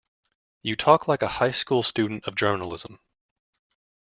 You talk like a high-school student of journalism.